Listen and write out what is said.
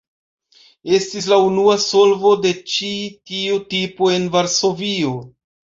Estis la unua solvo de ĉi tiu tipo en Varsovio.